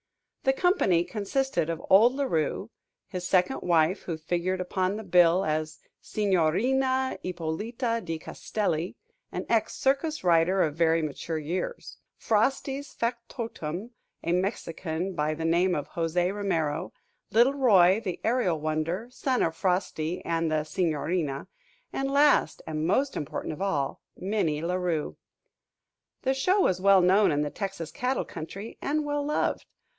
The company consisted of old La Rue; his second wife, who figured upon the bill as Signorina Ippolita di Castelli, an ex circus rider of very mature years; Frosty's factotum, a Mexican by the name of José Romero; little Roy, the Aerial Wonder, son of Frosty and the Signorina; and last and most important of all, Minnie La Rue. The show was well known in the Texas cattle country, and well loved.